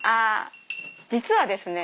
実はですね。